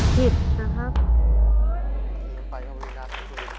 หลบสุดสุดหลบสุดหลบ